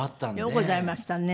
ようございましたね